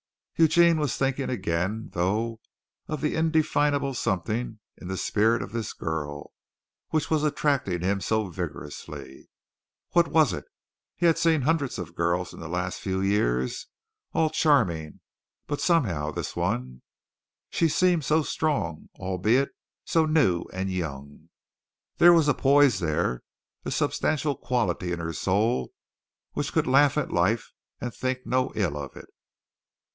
Eugene was thinking again, though, of the indefinable something in the spirit of this girl which was attracting him so vigorously. What was it? He had seen hundreds of girls in the last few years, all charming, but somehow this one She seemed so strong, albeit so new and young. There was a poise there a substantial quality in her soul which could laugh at life and think no ill of it.